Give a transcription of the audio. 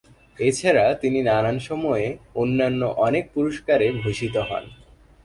এছাড়া তিনি নানান সময়ে অন্যান্য অনেক পুরষ্কারে ভূষিত হন।